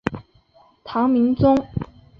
唐明宗